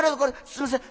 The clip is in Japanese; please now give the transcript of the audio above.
「すいません。